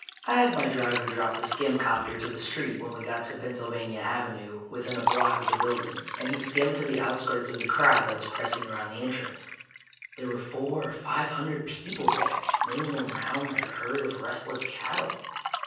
I had my driver drop the skim copter to the street when we got to Pennsylvania Avenue within a block of the building, and he skimmed to the outskirts of the crowd that was pressing around the entrance. There were four or five hundred people there, milling around like a herd of restless cattle.